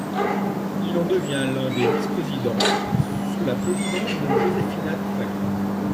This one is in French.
Il en devient l'un des vice-présidents, sous la présidence de Jozefina Topalli.